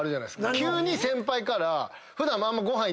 急に先輩から。